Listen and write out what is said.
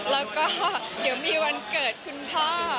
แล้วก็เดี๋ยวมีวันเกิดคุณพ่อ